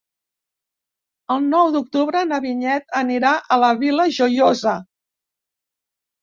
El nou d'octubre na Vinyet anirà a la Vila Joiosa.